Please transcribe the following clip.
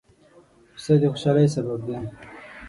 پسه د خوشحالۍ سبب دی.